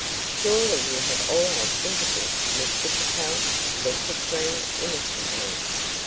"Surely you have all our sympathy, Mr Capel," said Katrine, innocently.